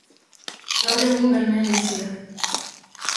Gaur egun Bermeon bizi da.